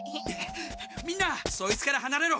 みんなそいつからはなれろ。